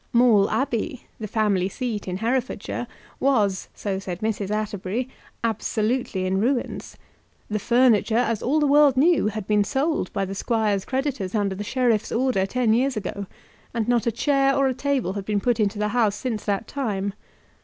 Maule Abbey, the family seat in Herefordshire, was, so said Mrs. Atterbury, absolutely in ruins. The furniture, as all the world knew, had been sold by the squire's creditors under the sheriff's order ten years ago, and not a chair or a table had been put into the house since that time.